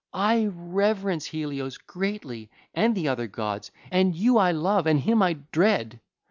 I reverence Helios greatly and the other gods, and you I love and him I dread.